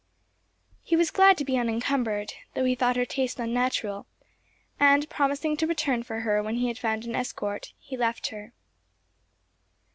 He was glad to be unencumbered, though he thought her taste unnatural; and, promising to return for her when he had found an escort, he left her.